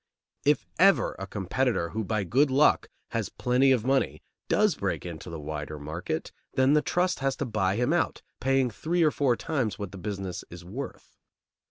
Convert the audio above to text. If ever a competitor who by good luck has plenty of money does break into the wider market, then the trust has to buy him out, paying three or four times what the business is worth.